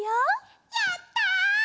やった！